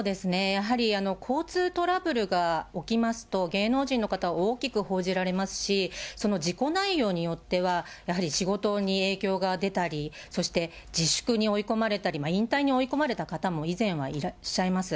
やはり交通トラブルが起きますと、芸能人の方、大きく報じられますし、その事故内容によっては、やはり仕事に影響が出たり、そして自粛に追い込まれたり、引退に追い込まれた方も以前はいらっしゃいます。